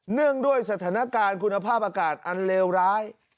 เนื่องด้วยสถานการณ์คุณภาพอากาศอันเลวร้าย